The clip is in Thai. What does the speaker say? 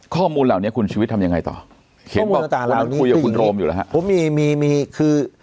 ข้อมูลเหล่านี้คุณชีวิตทำยังไงต่อเขียนว่าคุณคุยกับคุณโรมอยู่หรือครับ